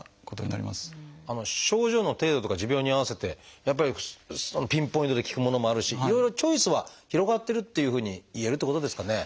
症状の程度とか持病に合わせてやっぱりピンポイントで効くものもあるしいろいろチョイスは広がってるっていうふうにいえるってことですかね。